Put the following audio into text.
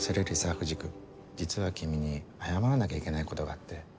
藤君実は君に謝らなきゃいけないことがあって。